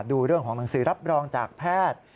ดูเรื่องของหนังสือรับรองจากแพทย์